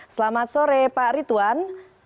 selamat sore pak ridwan